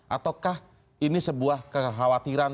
ataukah ini sebuah kekhawatiran